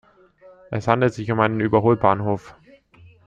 Es handelt sich um einen Überholbahnhof.